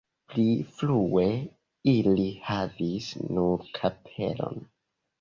Pli frue ili havis nur kapelon.